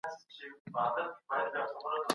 ده وویل چي پښتو زما د زړه غږ او د روح تسل دی.